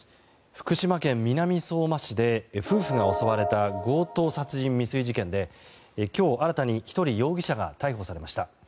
福島県南相馬市で夫婦が襲われた強盗殺人未遂事件で今日、新たに１人容疑者が逮捕されました。